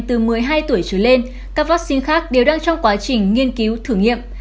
từ một mươi hai tuổi trở lên các vaccine khác đều đang trong quá trình nghiên cứu thử nghiệm